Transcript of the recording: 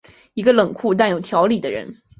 一个冷酷但有条理的人。